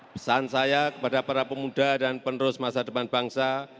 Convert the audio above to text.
pesan saya kepada para pemuda dan penerus masa depan bangsa